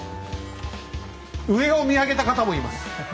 上を見上げた方もいます。